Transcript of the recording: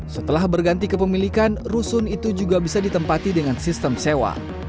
setelah berganti kepemilikan rusun itu juga bisa ditempati dengan sistem sewa